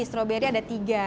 strawberry ada tiga